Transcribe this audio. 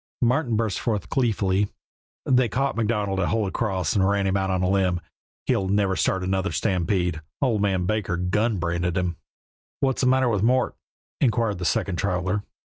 Martin burst forth, gleefully: "They caught MacDonald at Holy Cross and ran him out on a limb. He'll never start another stampede. Old man Baker gun branded him." "What's the matter with Mort?" inquired the second traveler.